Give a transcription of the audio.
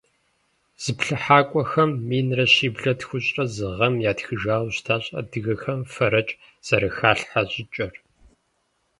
Зыплъыхьакӏуэхэм минрэ щиблэ тхущӏрэ зы гъэм ятхыжауэ щытащ адыгэхэм фэрэкӏ зэрыхалъхьэ щӏыкӏэр.